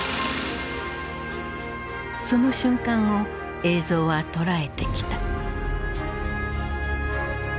その瞬間を映像は捉えてきた。